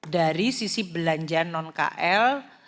dari sisi belanja non kl